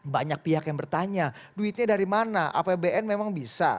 banyak pihak yang bertanya duitnya dari mana apbn memang bisa